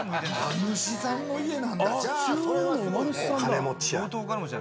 馬主さんの家なんだ。